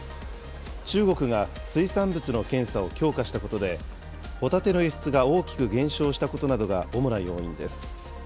中国が水産物の検査を強化したことで、ホタテの輸出が大きく減少したことなどが、主な要因です。